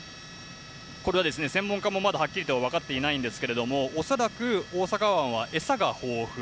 専門家もまだはっきりとは分かっていないんですが恐らく大阪湾は餌が豊富。